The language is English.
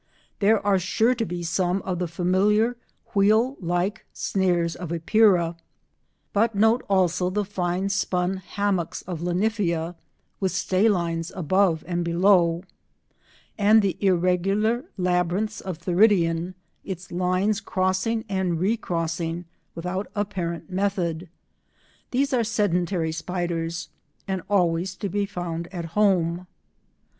There are sure to be some of the familiar wheel like snares of Epeira, but note also the fine spun hammocks of Linyphia with stay lines above and below, and the irregular labyrinths of Theridion, its lines crossing and recrossing without apparent method. These are sedentary spiders, and always to be found at home.